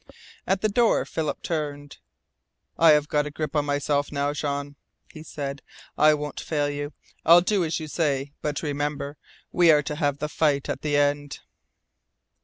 At the door Philip turned. "I have got a grip on myself now, Jean," he said. "I won't fail you. I'll do as you say. But remember, we are to have the fight at the end!"